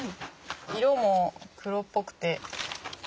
色も黒っぽくて。